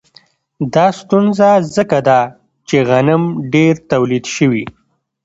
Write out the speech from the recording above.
دا ستونزه ځکه ده چې غنم ډېر تولید شوي